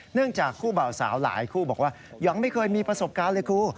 จากคู่เบาสาวหลายคู่บอกว่ายังไม่เคยมีประสบการณ์เลยครู